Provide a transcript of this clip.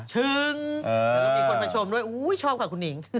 แล้วก็มีคนมาชมด้วยชอบค่ะคุณหนิง